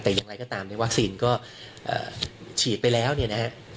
แต่อย่างไรก็ตามเนี่ยวัคซีนก็ฉีดไปแล้วเนี่ยนะฮะ